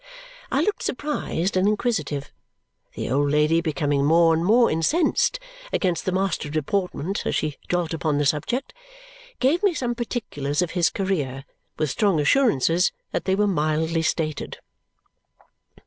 I looked surprised and inquisitive. The old lady, becoming more and more incensed against the master of deportment as she dwelt upon the subject, gave me some particulars of his career, with strong assurances that they were mildly stated.